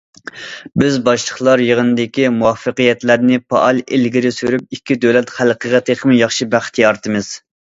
بىز باشلىقلار يىغىنىدىكى مۇۋەپپەقىيەتلەرنى پائال ئىلگىرى سۈرۈپ، ئىككى دۆلەت خەلقىگە تېخىمۇ ياخشى بەخت يارىتىمىز.